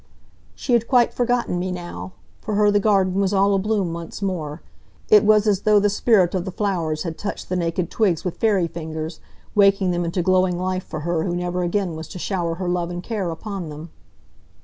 She had quite forgotten me now. For her the garden was all abloom once more. It was as though the Spirit of the Flowers had touched the naked twigs with fairy fingers, waking them into glowing life for her who never again was to shower her love and care upon them.